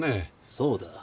そうだ。